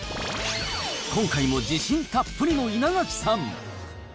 今回も自信たっぷりの稲垣さん。